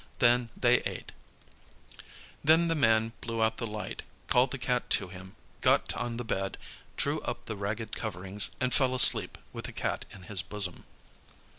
Then they ate. Then the man blew out the light, called the Cat to him, got on the bed, drew up the ragged coverings, and fell asleep with the Cat in his bosom.